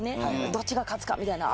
どっちが勝つかみたいな